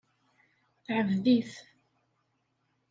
Teɛbed-it.